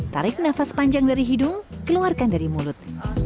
tarik nafas panjang dari hidung keluarkan dari mulut